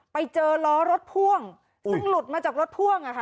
ไปเจอล้อรถพ่วงซึ่งหลุดมาจากรถพ่วงอะค่ะ